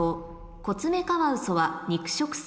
「コツメカワウソは肉食性」